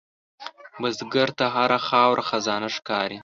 بزګر ته هره خاوره خزانه ښکاري